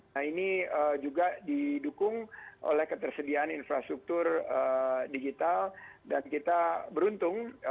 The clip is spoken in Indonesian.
nah ini juga didukung oleh ketersediaan infrastruktur digital dan kita beruntung